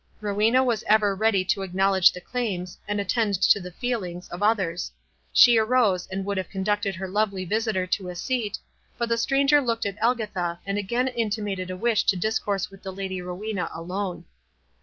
Rowena was ever ready to acknowledge the claims, and attend to the feelings, of others. She arose, and would have conducted her lovely visitor to a seat; but the stranger looked at Elgitha, and again intimated a wish to discourse with the Lady Rowena alone.